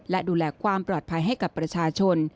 และดูแลความปลอดภัยให้กับประชาชน